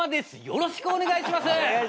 よろしくお願いします！